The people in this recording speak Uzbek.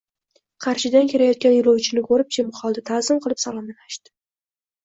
Qarshidan kelayotgan yoʻlovchini koʻrib jim qoldi, taʼzim qilib salomlashdi